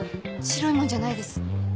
白いもんじゃないです。